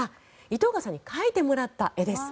井藤賀さんに描いてもらった絵です。